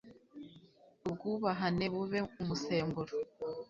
ubwubahane bube umusemburo